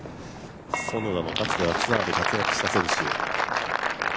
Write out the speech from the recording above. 薗田もかつて、ツアーで活躍した選手。